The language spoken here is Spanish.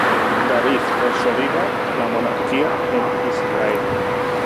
David consolida la monarquía en Israel.